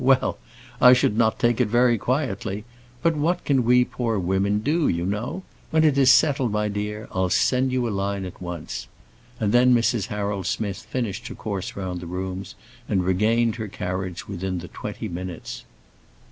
Well, I should not take it very quietly. But what can we poor women do, you know? When it is settled, my dear, I'll send you a line at once." And then Mrs. Harold Smith finished her course round the rooms, and regained her carriage within the twenty minutes.